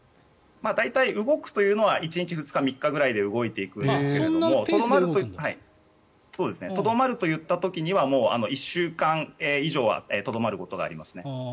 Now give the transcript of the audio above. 大体、動くというのは１日、２日くらいで動いていくんですがとどまるといった時には１週間以上はとどまることがありますね。